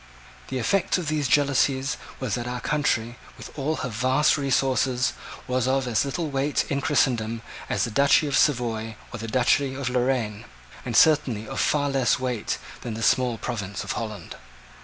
The effect of these jealousies was that our country, with all her vast resources, was of as little weight in Christendom as the duchy of Savoy or the duchy of Lorraine, and certainly of far less weight than the small province of Holland.